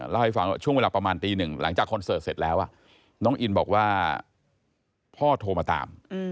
เล่าให้ฟังว่าช่วงเวลาประมาณตีหนึ่งหลังจากคอนเสิร์ตเสร็จแล้วน้องอินบอกว่าพ่อโทรมาตาม